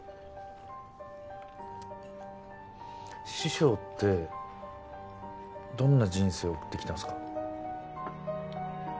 師匠ってどんな人生送ってきたんすか？